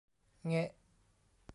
เงะ